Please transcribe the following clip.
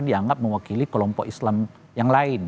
dianggap mewakili kelompok islam yang lain